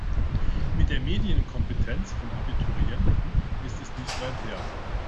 Mit der Medienkompetenz von Abiturienten ist es nicht weit her.